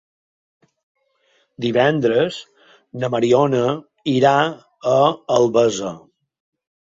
Divendres na Mariona irà a Albesa.